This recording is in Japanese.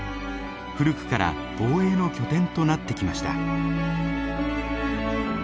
古くから防衛の拠点となってきました。